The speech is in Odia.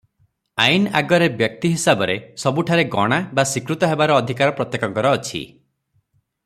ଆଇନ ଆଗରେ ବ୍ୟକ୍ତି ହିସାବରେ ସବୁଠାରେ ଗଣା ବା ସ୍ୱୀକୃତ ହେବାର ଅଧିକାର ପ୍ରତ୍ୟେକଙ୍କର ଅଛି ।